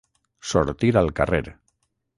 Sortir al carrer.